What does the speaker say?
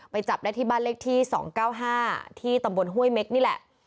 ไปจับแนตรีบั้นเลขที่๒๙๕ที่ตำบลฮ่วยเม็กน์นี่แหละ